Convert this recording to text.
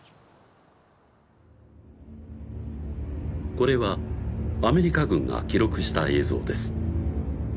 これはアメリカ軍が記録した映像です